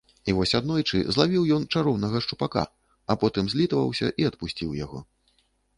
І вось аднойчы злавіў ён чароўнага шчупака, а потым злітаваўся і адпусціў яго.